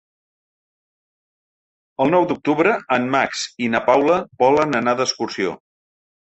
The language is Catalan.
El nou d'octubre en Max i na Paula volen anar d'excursió.